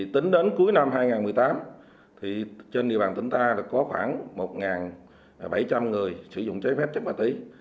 tính đến cuối năm hai nghìn một mươi tám trên địa bàn tỉnh ta có khoảng một bảy trăm linh người sử dụng trái phép chất ma túy